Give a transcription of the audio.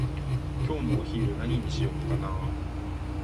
今日のお昼何にしようかなー？